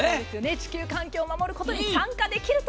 地球環境を守ることに参加できると。